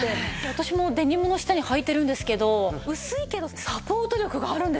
私もデニムの下にはいてるんですけど薄いけどサポート力があるんですよねちゃんとね。